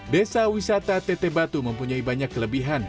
desa wisata teteh batu mempunyai banyak kelebihan